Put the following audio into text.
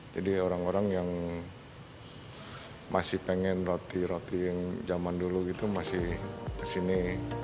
jadi orang orang yang masih pengen roti roti yang zaman dulu gitu masih kesini